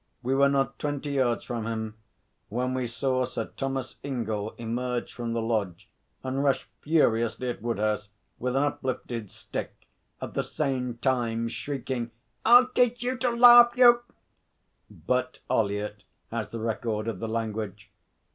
We were not twenty yards from him when we saw Sir Thomas Ingell emerge from the lodge and rush furiously at Woodhouse with an uplifted stick, at the same time shrieking: 'I'll teach you to laugh, you ' but Ollyett has the record of the language.